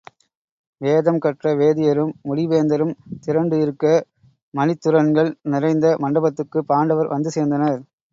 வேதம் கற்ற வேதியரும், முடிவேந்தரும் திரண்டுஇருக்க மணித்துரண்கள் நிறைந்த மண்டபத்துக்குப் பாண்டவர் வந்து சேர்ந்தனர்.